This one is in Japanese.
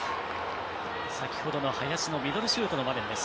先ほどの林のミドルシュートの場面です。